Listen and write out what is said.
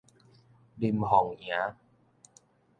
林鳳營